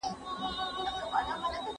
¬ له ښاره ووزه، له نرخه ئې مه وزه.